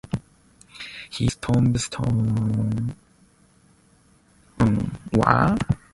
His tombstone reads: The old fighting man home from the wars.